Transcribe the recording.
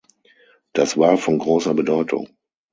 Das war von großer Bedeutung.